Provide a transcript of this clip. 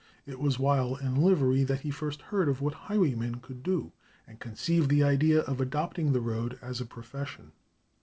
It was while in livery that he first heard of what highwaymen could do, and conceived the idea of adopting the road as a profession.